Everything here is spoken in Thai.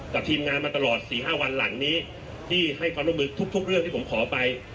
ทีมงานมาตลอด๔๕วันหลังนี้ที่ให้ความร่วมมือทุกเรื่องที่ผมขอไป